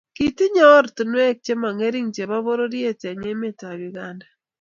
Kitinye oratinwek che mongering chebo pororiet eng emetab Uganda